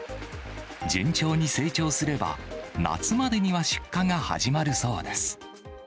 順調に成長すれば、夏までには出荷が始まるそうです。